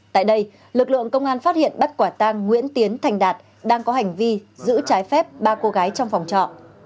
tại đây lực lượng công an phát hiện bắt quả tang nguyễn tiến thành đạt đang có hành vi giữ trái phép ba cô gái trong phòng trọ